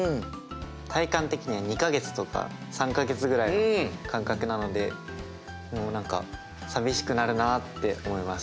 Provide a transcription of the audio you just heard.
体感的には２か月とか３か月ぐらいの感覚なのでもう何か寂しくなるなあって思います。